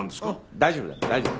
大丈夫だよ大丈夫。